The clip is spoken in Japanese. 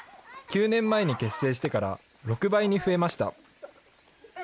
９年前に結成してから６倍に増えました。